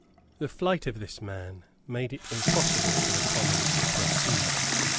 The flight of this man made it impossible for the Commons to proceed.